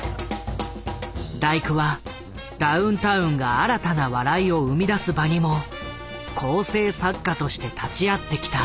大工はダウンタウンが新たな笑いを生み出す場にも構成作家として立ち会ってきた。